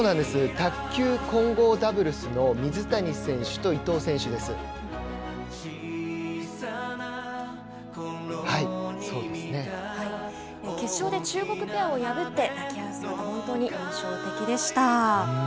卓球混合ダブルスの決勝で中国ペアを破って抱き合う姿本当に印象的でした。